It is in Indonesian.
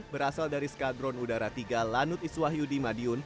berasal dari skadron udara tiga lanut iswahyudi madiun